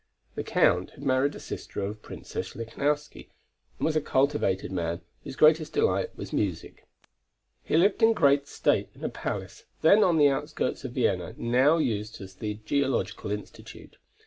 The Count had married a sister of the Princess Lichnowsky and was a cultivated man whose greatest delight was music. He lived in great state in a palace, then on the outskirts of Vienna, now used as the Geological Institute.